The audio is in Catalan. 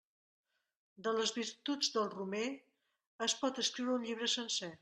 De les virtuts del romer es pot escriure un llibre sencer.